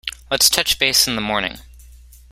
Let's touch base in the morning.